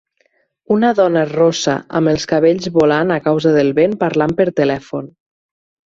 Una dona rossa amb els cabells volant a causa del vent parlant per telèfon